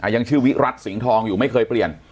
ยังชื่อวิรัติสิงห์ทองอยู่ไม่เคยเปลี่ยน